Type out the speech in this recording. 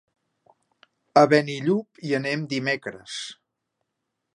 A Benillup hi anem dimecres.